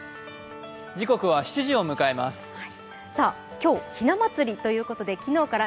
今日、ひな祭りということで昨日から